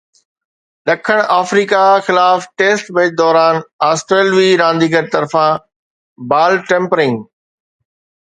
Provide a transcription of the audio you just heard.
ڏکڻ آفريڪا خلاف test match دوران آسٽريلوي رانديگر طرفان بال ٽيمپرنگ